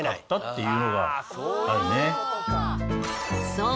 そう！